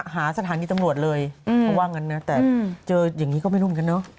สถานีตำรวจเลยเพราะว่างั้นนะแต่เจออย่างนี้ก็ไม่รู้เหมือนกันเนอะ